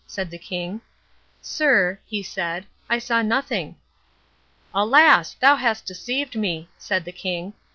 said the king. "Sir," he said, "I saw nothing." "Alas! thou hast deceived me," said the king.